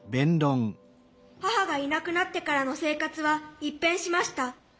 母がいなくなってからの生活は一変しました。